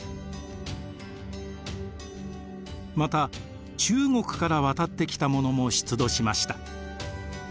また中国から渡ってきたものも出土しました。